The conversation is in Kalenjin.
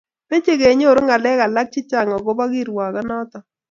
meche kunyoru ng'alek alak chechang' akobo kirwoke noto